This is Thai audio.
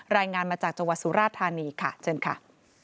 รายงานมาจากจศรษทานีจนข้า